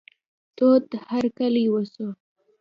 تود هرکلی وسو.